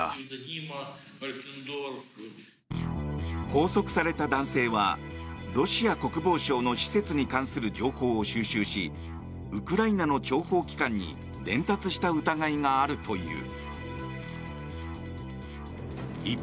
拘束された男性はロシア国防省の施設に関する情報を収集しウクライナの諜報機関に伝達した疑いがあるという。